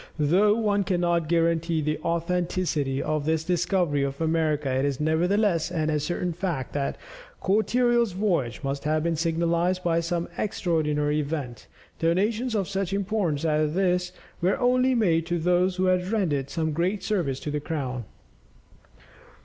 Though one cannot guarantee the authenticity of this discovery of America, it is nevertheless an ascertained fact that Cortereal's voyage must have been signalized by some extraordinary event; donations of such importance as this were only made to those who had rendered some great service to the crown.